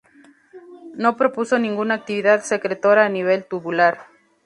No propuso ninguna actividad secretora a nivel tubular.